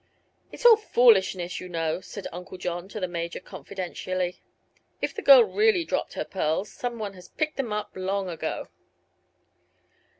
"It's all foolishness, you know," said Uncle John, to the Major, confidentially. "If the girl really dropped her pearls some one has picked them up, long ago."